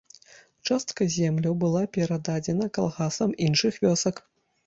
Частка земляў была перададзена калгасам іншых вёсак.